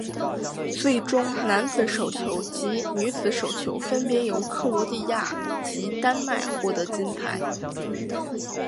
最终男子手球及女子手球分别由克罗地亚及丹麦夺得金牌。